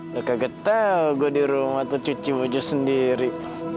deket getel gue di rumah tuh cuci baju sendiri